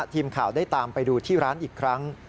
ทีมข่าวได้ตามไปดูที่ร้านอีกครั้ง